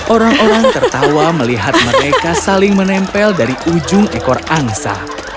orang orang tertawa melihat mereka saling menempel dari ujung ekor angsa